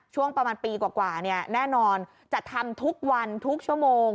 ช่วงประมาณปีกว่าแน่นอนจะทำทุกวันทุกชั่วโมง